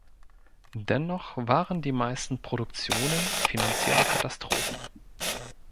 Dennoch waren die meisten Produktionen finanzielle Katastrophen.